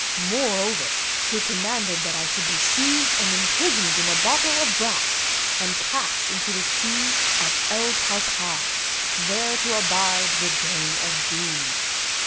Moreover, he commanded that I should be seized and imprisoned in a bottle of brass and cast into the Sea of El Karkar, there to abide the Day of Doom."